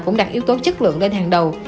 cũng đặt yếu tố chất lượng lên hàng đầu